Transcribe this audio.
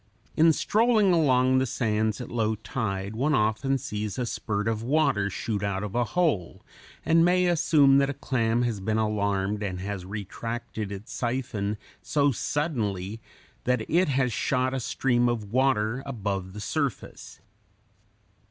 In strolling along the sands at low tide one often sees a spurt of water shoot out of a hole, and may assume that a clam has been alarmed and has retracted its siphon so suddenly that it has shot a stream of water above the surface.